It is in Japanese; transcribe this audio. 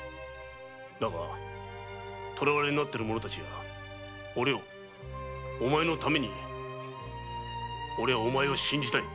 だが捕らわれになっている者たちやお涼お前のタメにオレはお前を信じたい。